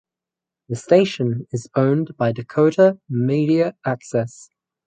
The station is owned by Dakota Media Access.